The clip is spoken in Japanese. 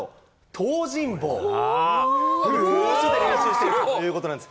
東尋坊で練習してるということなんです。